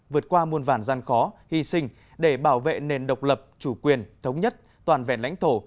vượt qua muôn vàn gian khó hy sinh để bảo vệ nền độc lập chủ quyền thống nhất toàn vẹn lãnh thổ